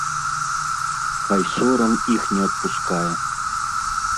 Хай сорам іх не адпускае.